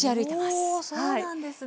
そうなんですね。